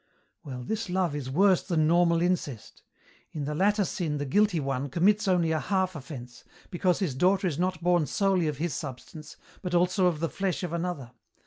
"Well, this love is worse than normal incest. In the latter sin the guilty one commits only a half offence, because his daughter is not born solely of his substance, but also of the flesh of another.